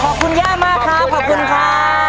ขอบคุณย่ามากครับขอบคุณครับ